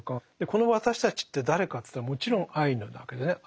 この「私たち」って誰かって言ったらもちろんアイヌなわけですよね。